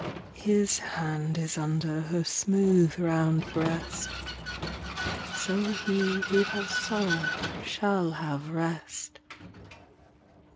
His hand is under Her smooth round breast So he who has sorrow Shall have rest.